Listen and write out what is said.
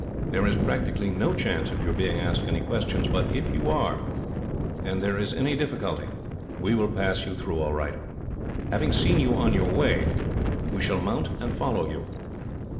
There is practically no chance of your being asked any questions, but if you are, and there is any difficulty, we will pass you through all right. Having seen you on your way, we shall mount and follow you."